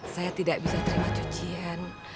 saya tidak bisa terima cuci ya